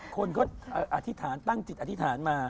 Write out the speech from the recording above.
คนก็อธิษฐานตั้งจิตอธิษฐานมา